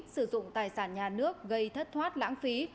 sử dụng tài sản nhà nước gây thất thoát lãng phí